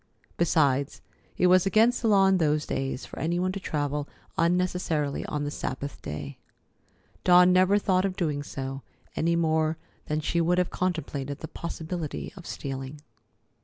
Besides, it was against the law in those days for any one to travel unnecessarily on the Sabbath day. Dawn never thought of doing so, any more than she would have contemplated the possibility of stealing.